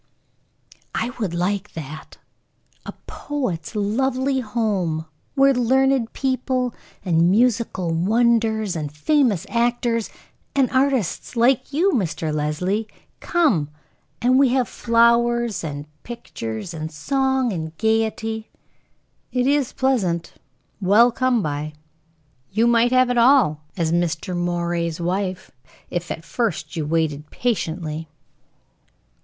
"I would like that. A poet's lovely home, where learned people, and musical wonders, and famous actors, and artists like you, Mr. Leslie, come; and we had flowers, and pictures, and song, and gayety." "It is pleasant, well come by. You might have it all, as Mr. Moray's wife, if at first you waited patiently."